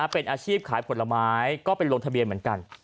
เป็นอาชีพขายผลไม้ก็ไปลงทะเบียนเหมือนกัน